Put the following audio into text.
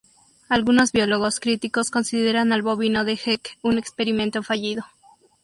Algunos biólogos críticos consideran al bovino de Heck un experimento fallido.